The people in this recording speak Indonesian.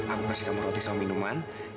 aku kasih kamu roti sama minuman